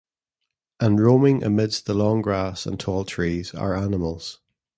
And roaming amidst the long grass and tall trees are animals.